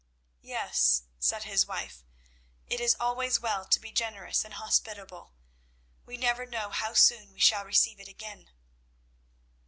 "Yes," said his wife, "it is always well to be generous and hospitable. We never know how soon we shall receive it again."